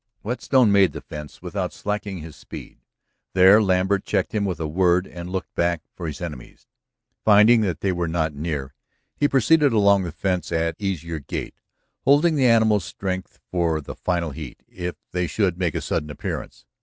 Whetstone made the fence without slackening his speed. There Lambert checked him with a word and looked back for his enemies. Finding that they were not near, he proceeded along the fence at easier gait, holding the animal's strength for the final heat, if they should make a sudden appearance.